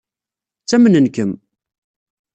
Ttamnen-kem.